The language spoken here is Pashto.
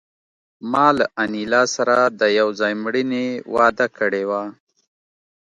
ما له انیلا سره د یو ځای مړینې وعده کړې وه